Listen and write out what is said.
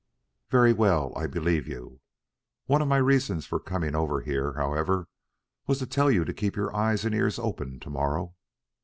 "Very well. I believe you. One of my reasons for coming over here, however, was to tell you to keep your eyes and ears open to morrow."